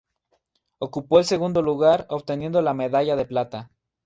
Ocupó el segundo lugar, obteniendo la medalla de plata.